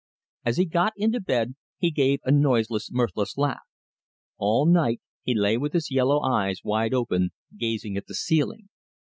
As he got into bed he gave a noiseless, mirthless laugh. All night he lay with his yellow eyes wide open, gazing at the ceiling.